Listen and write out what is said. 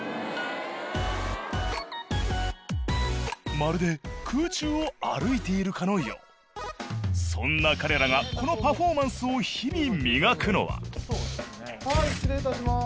まるで空中を歩いているかのようそんな彼らがこのパフォーマンスを日々磨くのは失礼いたします。